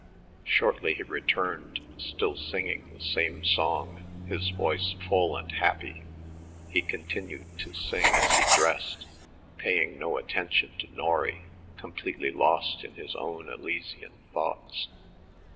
Shortly he returned, still singing the same song, his voice full and happy. He continued to sing as he dressed, paying no attention to Norry, completely lost in his own Elysian thoughts.